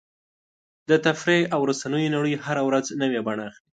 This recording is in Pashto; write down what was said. د تفریح او رسنیو نړۍ هره ورځ نوې بڼه اخلي.